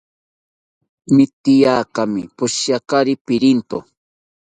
Mitaakimi poshiakari pirinto